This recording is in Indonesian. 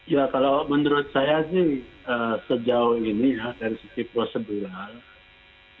ya kalau menurut saya sih sejauh ini dari sisi prosedural